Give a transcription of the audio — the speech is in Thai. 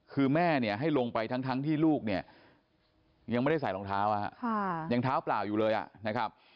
คือแม่เนี่ยให้ลงไปทั้งที่ลูกเนี่ยยังไม่ได้ใส่รองเท้ายังเท้าเปล่าอยู่เลยนะครับ